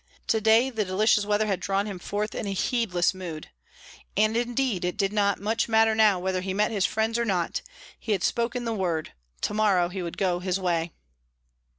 To day the delicious weather had drawn him forth in a heedless mood. And, indeed, it did not much matter now whether he met his friends or not; he had spoken the word to morrow he would go his way.